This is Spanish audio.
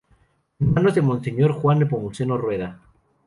En manos de Monseñor Juan Nepomuceno Rueda.